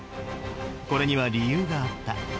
これには理由があった。